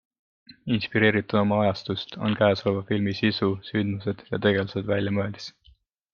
Inspireerituna omast ajastust on käesoleva filmi sisu, sündmused ja tegelased väljamõeldis.